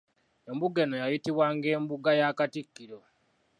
Embuga eno yayitibwanga embuga ya Katikkiro.